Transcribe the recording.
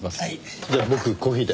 じゃあ僕コーヒーで。